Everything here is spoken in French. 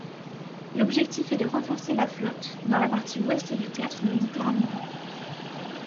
L’objectif est de renforcer la flotte dans la partie ouest du théâtre méditerranéen.